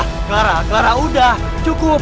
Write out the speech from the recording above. clara clara udah cukup